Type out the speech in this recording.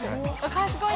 ◆賢い。